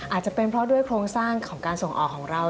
อาจจะเป็นเพราะด้วยโครงสร้างของการส่งออกของเรา